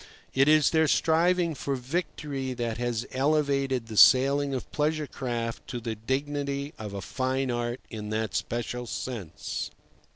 It is their striving for victory that has elevated the sailing of pleasure craft to the dignity of a fine art in that special sense.